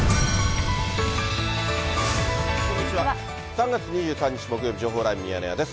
３月２３日木曜日、情報ライブミヤネ屋です。